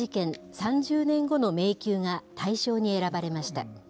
３０年後の迷宮が大賞に選ばれました。